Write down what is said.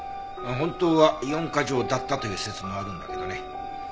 本当は四カ条だったという説もあるんだけどね。